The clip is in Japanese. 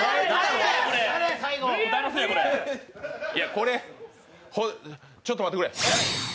これ、ちょっと待ってくれ。